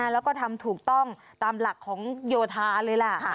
แล้วก็ทำถูกต้องตามหลักของโยธาเลยล่ะ